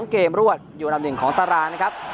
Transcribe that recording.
๒เกมรวดอยู่ลำหนึ่งของตารางนะครับ